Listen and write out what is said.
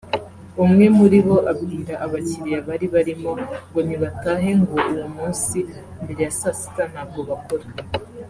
umwe muri bo abwira abakiliya bari barimo ngo nibatahe ngo uwo munsi mbere ya saa sita ntabwo bakora